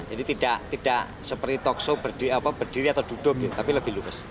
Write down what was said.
jadi tidak seperti talk show berdiri atau duduk tapi lebih lurus